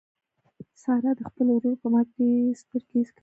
سارا د خپل ورور پر مرګ ډېرې سترګې سرې کړې.